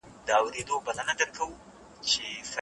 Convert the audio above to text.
د ولس هوښياري د سياستوالو تر مکر غښتلې ده.